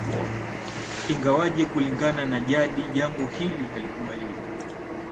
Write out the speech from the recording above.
Ingawaje Kulingana na jadi jambo hili halikubaliwi